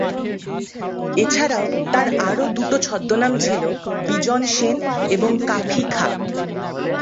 এছাড়াও তার আরো দুটো ছদ্মনাম ছিলো বিজন সেন এবং কাফি খাঁ।